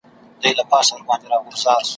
پیالې راتللای تر خړوبه خو چي نه تېرېدای ,